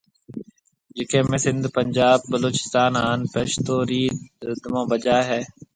جڪي ۾ سنڌ، پنجاب، بلوچستون، ھان پشتو ري رڌمون بجائي